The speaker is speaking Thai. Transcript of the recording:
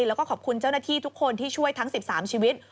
แล้วก็ขอบคุณเจ้าหน้าที่ทุกคนที่ช่วยทั้ง๑๓ชีวิต